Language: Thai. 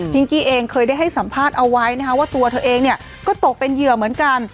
กี้เองเคยได้ให้สัมภาษณ์เอาไว้นะคะว่าตัวเธอเองเนี่ยก็ตกเป็นเหยื่อเหมือนกัน